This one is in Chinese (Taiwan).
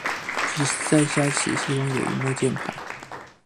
只是在家時希望有螢幕鍵盤